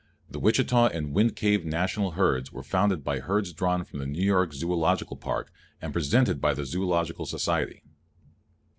The Wichita and Wind Cave National Herds were founded by herds drawn from the New York Zoological Park, and presented by the Zoological Society.